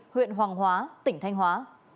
huyện hoàng hóa tỉnh thanh hóa